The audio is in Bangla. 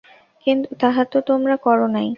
কিন্তু তাহা তো তোমরা কর নাই।